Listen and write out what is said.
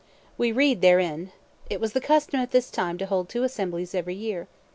We read therein, "It was the custom at this time to hold two assemblies every year.